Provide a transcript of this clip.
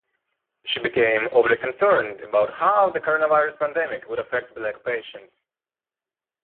She became overly concerned about how the coronavirus pandemic would affect black patients.